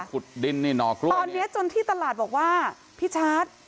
ขุดดินนี่หน่อกล้วยตอนเนี้ยจนที่ตลาดบอกว่าพี่ชาร์จ